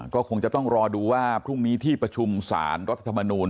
ก็คงจะต้องรอดูว่าพรุ่งนี้ที่ประชุมสารรัฐธรรมนูล